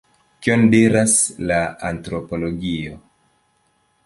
Kion diras la antropologio?